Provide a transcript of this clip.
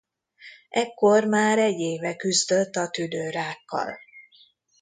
Ekkor már egy éve küzdött a tüdőrákkal.